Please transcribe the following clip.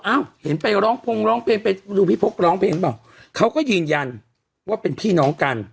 เห็นไปร้องพงร้องเพลงไปดูพี่พกร้องเพลงหรือเปล่าเขาก็ยืนยันว่าเป็นพี่น้องกัน